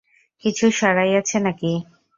কিছু সরাইয়াছে নাকি?